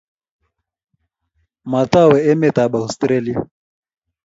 Matawe emet ab Austrlia